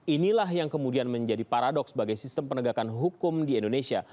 inilah yang kemudian menjadi paradoks bagi sistem penegakan hukum di indonesia